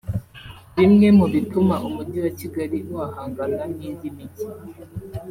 Bimwe mu bituma umujyi wa Kigali wahangana n’indi mijyi